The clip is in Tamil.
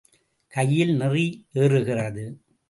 கையில் நெறி ஏறுகிறது.